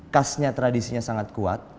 khasnya tradisinya sangat kuat